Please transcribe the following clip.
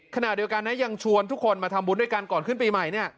ขณะเดียวกันนะยังชวนทุกคนมาทำบุญด้วยกันก่อนขึ้นปีใหม่